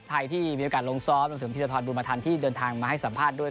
ใครที่มีโอกาสลงซ้อมรวมถึงพิทธิฐธานบุรมธรรมที่เดินทางมาให้สัมภาษณ์ด้วย